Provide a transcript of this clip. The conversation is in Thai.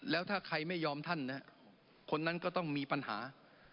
แล้วถ้าใครไม่ยอมท่านคนนั้นก็ต้องมีปัญหา